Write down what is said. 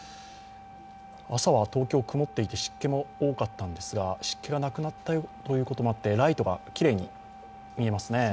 朝は東京、曇っていて、湿気も多かったんですが、湿気がなくなったということもあって、ライトがきれいに見えます。